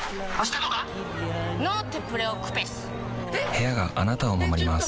部屋があなたを守ります